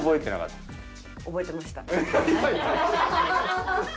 覚えてました。